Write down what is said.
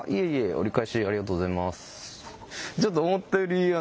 折り返しありがとうございます。